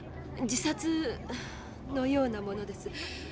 自殺のようなものです。